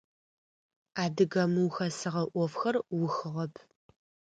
Адыгэ мыухэсыгъэ ӏофхэр ухыгъэп.